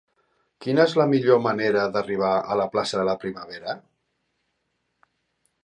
Quina és la millor manera d'arribar a la plaça de la Primavera?